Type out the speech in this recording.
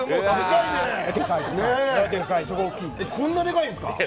こんなでかいんですか？